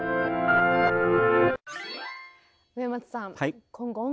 植松さん